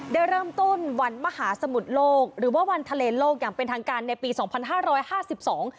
ได้เริ่มต้นวันมหาสมุทรโลกหรือว่าวันทะเลโลกอย่างเป็นทางการในปีสองพันห้าร้อยห้าสิบสอง